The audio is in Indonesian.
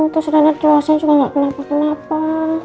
terus reina jauh jauh juga nggak kenapa kenapa